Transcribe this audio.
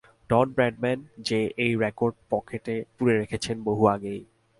ডন Bradman যে এ record পকেটে পুরে রেখেছেন বহু আগেই।